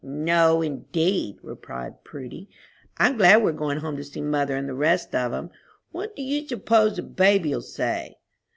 "No, indeed," replied Prudy. "I'm glad we're goin' home to see mother and the rest of 'em. What do you s'pose the baby'll say?"